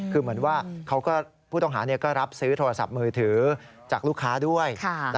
คือเหมือนว่าผู้ต้องหาก็รับซื้อโทรศัพท์มือถือจากลูกค้าด้วย